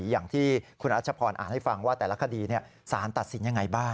อย่างที่คุณรัชพรอ่านให้ฟังว่าแต่ละคดีสารตัดสินยังไงบ้าง